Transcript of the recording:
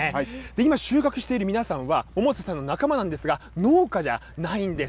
今、収穫している皆さんは、百瀬さんの仲間なんですが、農家じゃないんです。